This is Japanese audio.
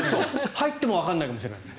入ってもわからないかもしれない。